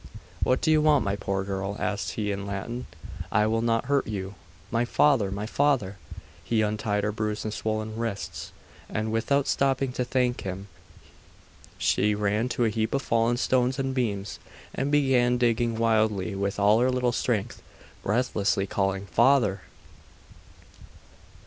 'What do you want, my poor girl?' asked he in Latin. 'I will not hurt you.' 'My father! My father!' He untied her bruised and swollen wrists; and without stopping to thank him, she ran to a heap of fallen stones and beams, and began digging wildly with all her little strength, breathlessly calling 'Father!